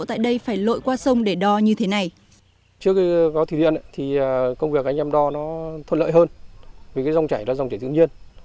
trước khi có thủy điện thì công việc anh em đo nó thuận lợi hơn vì cái rong chảy là rong chảy tự nhiên